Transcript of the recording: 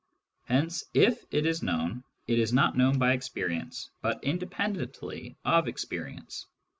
Hence, if it is known, ^/ it is not known by experience, but independently of experience.